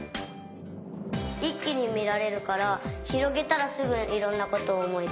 いっきにみられるからひろげたらすぐいろんなことをおもいだせる。